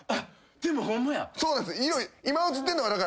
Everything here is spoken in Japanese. でもホンマや。